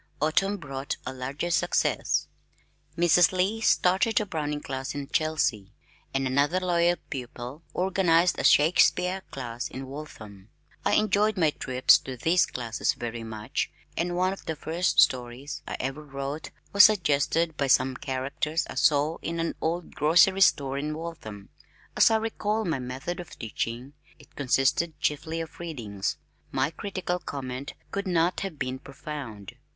Autumn brought a larger success. Mrs. Lee started a Browning Class in Chelsea, and another loyal pupil organized a Shakespeare class in Waltham. I enjoyed my trips to these classes very much and one of the first stories I ever wrote was suggested by some characters I saw in an old grocery store in Waltham. As I recall my method of teaching, it consisted chiefly of readings. My critical comment could not have been profound.